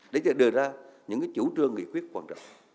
để đề ra những chủ trương nghị quyết quan trọng